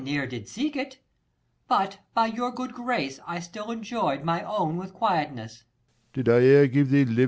I ne'er did seek it ; but by your good grace, I still enjoyed my own with quietness.